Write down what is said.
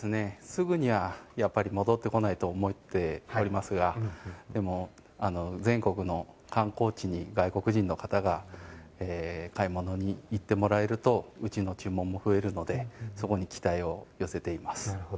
すぐには戻ってこないと思っておりますが全国の観光地に外国人の方が買い物に行ってもらえるとうちの注文も増えるのでそこに期待を寄せています。